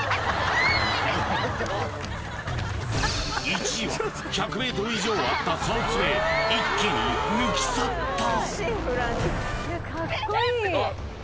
一時は１００ｍ以上あった差を詰め一気に抜き去った！